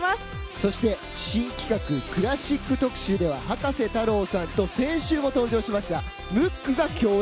そして新企画クラシック特集では葉加瀬太郎さんと先週も登場しましたムックが共演。